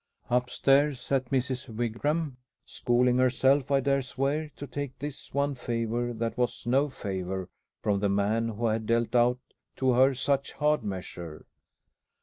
Upstairs sat Mrs. Wigram, schooling herself, I dare swear, to take this one favor that was no favor from the man who had dealt out to her such hard measure.